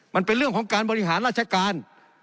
มันเป็นเรื่องของการบริหารราชการ